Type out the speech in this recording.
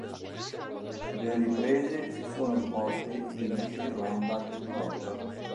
Le riprese si sono svolte in Irlanda del Nord.